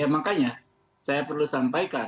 makanya saya perlu sampaikan